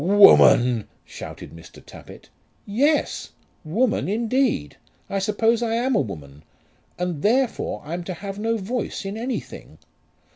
"Woman!" shouted Mr. Tappitt. "Yes; woman indeed! I suppose I am a woman, and therefore I'm to have no voice in anything.